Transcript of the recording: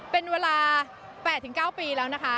เป็นเวลา๘๙ปีแล้วนะคะ